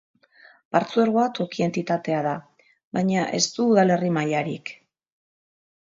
Partzuergoa toki entitatea da, baina ez du udalerri mailarik.